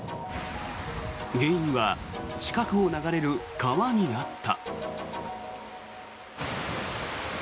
原因は近くを流れる川にあった。